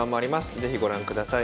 是非ご覧ください。